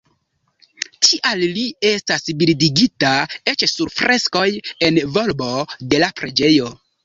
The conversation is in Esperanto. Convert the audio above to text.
Tial li estas bildigita eĉ sur freskoj en volbo de la preĝejo.